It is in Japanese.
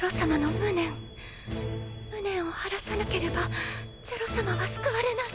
無念を晴らさなければ是露さまは救われない！